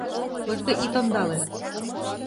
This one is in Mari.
Только ит ондале.